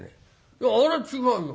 「いやあれは違うよ。